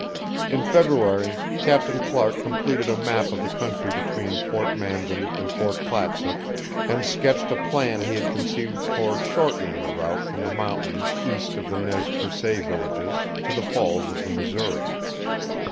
In February Captain Clark completed a map of the country between Fort Mandan and Fort Clatsop, and sketched a plan he had conceived for shortening the route from the mountains east of the Nez Percé villages to the Falls of the Missouri.